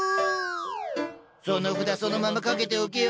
その札そのままかけておけよ。